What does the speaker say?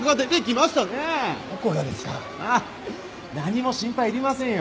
まあ何も心配いりませんよ